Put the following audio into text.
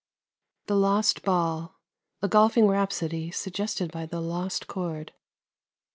THE LOST BALL (A golfing rhapsody suggested by "The Lost Chord.")